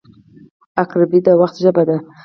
• عقربې د وخت ژبه ده.